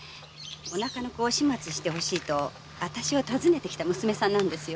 お腹の子を始末してほしいとあたしを訪ねてきた娘さんなんですよ。